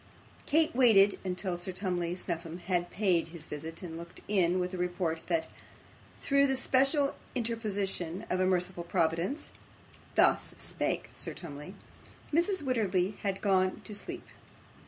Kate waited until Sir Tumley Snuffim had paid his visit and looked in with a report, that, through the special interposition of a merciful Providence (thus spake Sir Tumley), Mrs. Wititterly had gone to sleep.